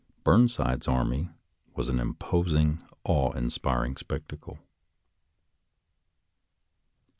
Burn side's army was an imposing, awe inspiring spec tacle.